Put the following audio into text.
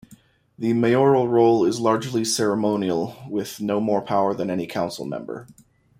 The mayoral role is largely ceremonial with no more power than any council member.